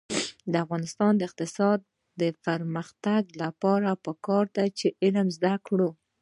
د افغانستان د اقتصادي پرمختګ لپاره پکار ده چې علم زده کړو.